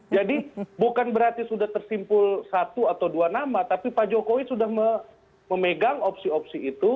jadi bukan berarti sudah tersimpul satu atau dua nama tapi pak jokowi sudah memegang opsi opsi itu